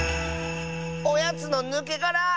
「おやつのぬけがら」！